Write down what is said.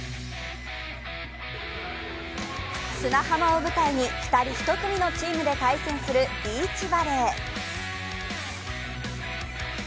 砂浜を舞台に２人１組のチームで対戦するビーチバレー。